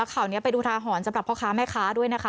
แล้วข่าวนี้ไปดูท้าหอนสำหรับข้าวค้าแม่ค้าด้วยนะคะ